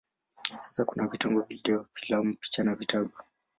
Sasa kuna vitengo vya video, filamu, picha na vitabu.